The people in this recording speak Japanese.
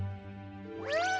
うん！